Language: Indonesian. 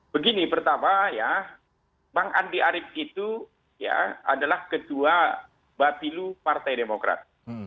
begini pertama ya bang andi arief itu adalah ketua bapilu partai demokrat